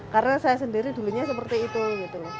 karena saya sendiri dulunya seperti itu gitu